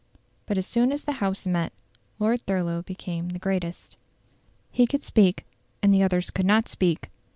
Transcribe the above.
But as soon as the House met, Lord Thurlow became the greatest. He could speak, and the others could not speak.